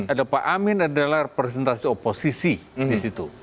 ada pak amin adalah representasi oposisi di situ